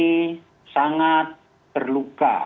kami sangat terluka